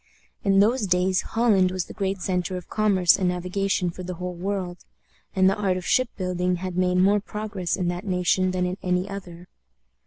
In those days Holland was the great centre of commerce and navigation for the whole world, and the art of ship building had made more progress in that nation than in any other.